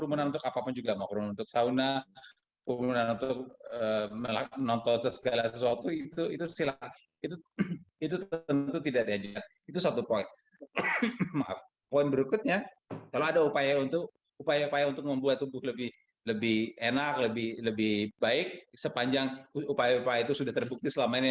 untuk membuat tubuh lebih enak lebih baik sepanjang upaya upaya itu sudah terbukti selama ini